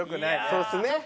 そうですね。